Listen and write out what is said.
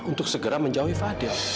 untuk segera menjauhi fadil